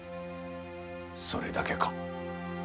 それだけか？